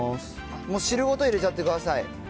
もう汁ごと入れちゃってください。